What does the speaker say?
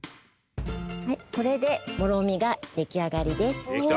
これでもろみができあがりです。